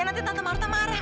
nanti tante marta marah